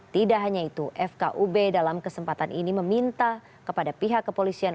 tidak hanya itu fkub dalam kesempatan ini meminta kepada pihak kepolisian